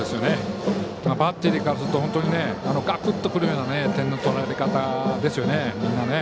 バッテリーがガクッとくるような点の取られ方ですよね。